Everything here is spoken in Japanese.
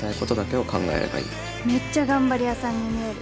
メッチャ頑張り屋さんに見える。